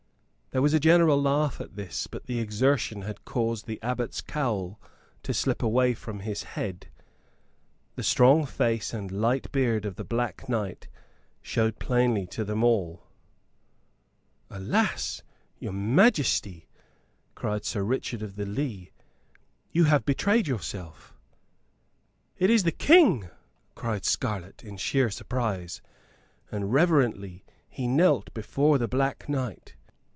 There was a general laugh at this; but the exertion had caused the abbot's cowl to slip away from his head. The strong face and light beard of the Black Knight showed plainly to them all. "Alas, your majesty," cried Sir Richard of the Lee, springing up; "you have betrayed yourself." "It is the King!" cried Scarlett, in sheer surprise; and reverently he knelt before the Black Knight.